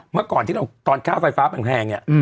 เมื่อก่อนที่เราตอนค่าไฟฟ้าแพงเนี่ย